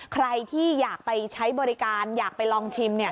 ใครที่อยากไปใช้บริการอยากไปลองชิมเนี่ย